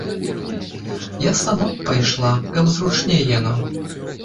Я сама б пайшла, каб зручней яно.